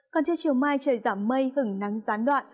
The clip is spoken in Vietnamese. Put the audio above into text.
còn trưa chiều mai trời giảm mây hứng nắng gián đoạn